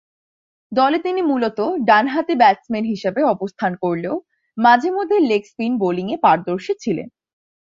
দলে তিনি মূলতঃ ডানহাতি ব্যাটসম্যান হিসেবে অবস্থান করলেও মাঝে-মধ্যে লেগ-স্পিন বোলিংয়ে পারদর্শী ছিলেন।